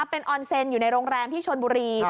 เป็นออนเซนอยู่ในโรงแรมที่ชนบุรี